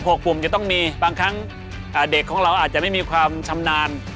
กลุ่มจะต้องมีบางครั้งอ่าเด็กของเราอาจจะไม่มีความชำนาญ